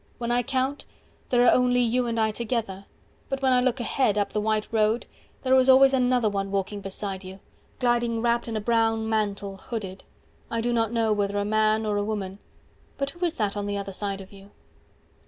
When I count, there are only you and I together 360 But when I look ahead up the white road There is always another one walking beside you Gliding wrapt in a brown mantle, hooded I do not know whether a man or a woman —But who is that on the other side of you?